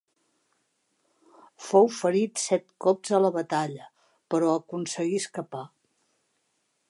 Fou ferit set cops a la batalla, però aconseguí escapar.